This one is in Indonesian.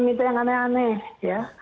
itu yang aneh aneh ya